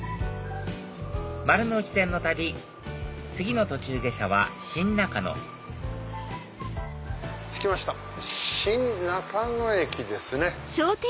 丸ノ内線の旅次の途中下車は新中野着きました新中野駅ですね。